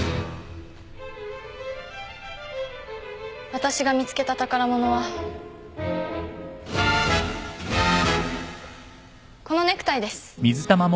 わたしが見つけた宝物はこのネクタイです。